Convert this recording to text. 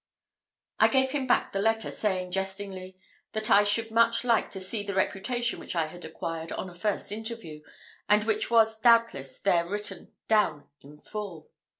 I gave him back the letter, saying, jestingly, that I should much like to see the reputation which I had acquired on a first interview, and which was doubtless there written down at full.